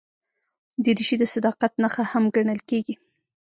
دریشي د صداقت نښه هم ګڼل کېږي.